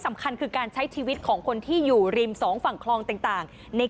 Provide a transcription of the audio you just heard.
สำคัญคือการใช้ชีวิตของคนที่อยู่ริมสองฝั่งคลองต่าง